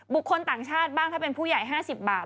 คนต่างชาติบ้างถ้าเป็นผู้ใหญ่๕๐บาท